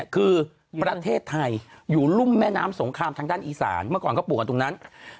คือประเทศไทยอยู่รุ่มแม่น้ำสงครามทางด้านอีสานเมื่อก่อนเขาปลูกกันตรงนั้น